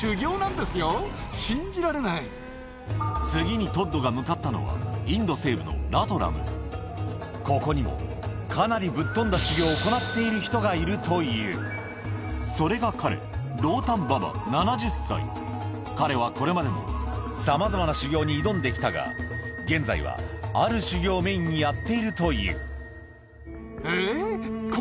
次にトッドが向かったのはインド西部のラトラムここにもかなりぶっ飛んだ修行を行っている人がいるというそれが彼彼はこれまでもさまざまな修行に挑んできたが現在はある修行をメインにやっているというえっこ